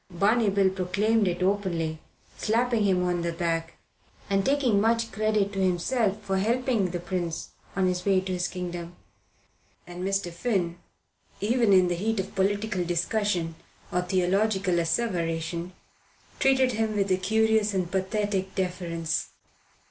Barney Bill proclaimed it openly, slapping him on the back and taking much credit to himself for helping the prince on the way to his kingdom. And Mr. Finn, even in the heat of political discussion or theological asseveration, treated him with a curious and pathetic deference.